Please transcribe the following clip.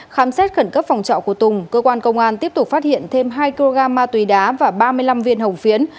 khám xét khẩn cấp phòng trọ của tùng cơ quan công an tiếp tục phát hiện thêm hai kg ma túy đá và ba mươi năm viên hồng phiến